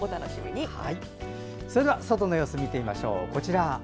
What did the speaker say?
それでは外の様子を見てみましょう。